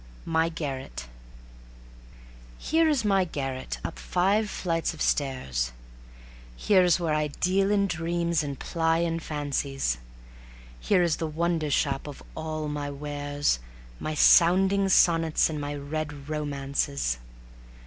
My Garret Here is my Garret up five flights of stairs; Here's where I deal in dreams and ply in fancies, Here is the wonder shop of all my wares, My sounding sonnets and my red romances.